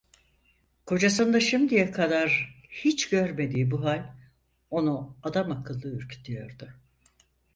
Kocasında şimdiye kadar hiç görmediği bu hal, onu adamakıllı ürkütüyordu.